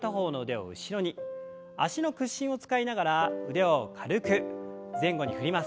脚の屈伸を使いながら腕を軽く前後に振ります。